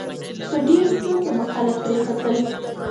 په ډېرو ستونزو به خلک پرې ختل.